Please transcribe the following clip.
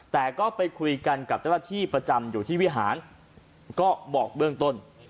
แต่ก็ไปคุยกันกับเจ้าหน้าที่ประจำอยู่ที่วิหารก็บอกเบื้องต้น